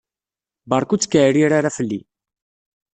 Berka ur ttkeɛrir ara fell-i.